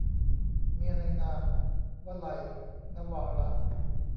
เมียในนาม - วลัย นวาระ